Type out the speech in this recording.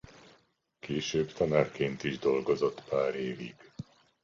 Később tanárként is dolgozott pár évig.